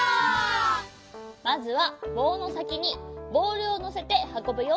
まずはぼうのさきにボールをのせてはこぶよ。